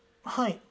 はい。